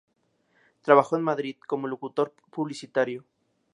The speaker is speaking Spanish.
Trabajó en Madrid, como locutor publicitario.